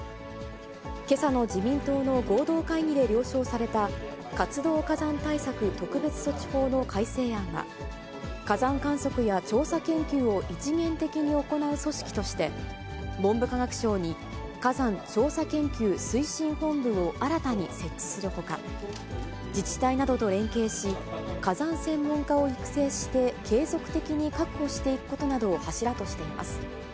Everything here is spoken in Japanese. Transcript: けさの自民党の合同会議で了承された活動火山対策特別措置法の改正案は、火山観測や調査研究を一元的に行う組織として、文部科学省に火山調査研究推進本部を新たに設置するほか、自治体などと連携し、火山専門家を育成して、継続的に確保していくことなどを柱としています。